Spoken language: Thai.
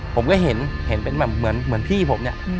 ผมก็เห็นเป็นแบบเหมือนพี่ผมเนี่ย